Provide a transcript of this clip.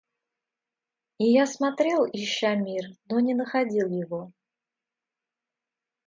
И я смотрел, ища мир, но не находил его.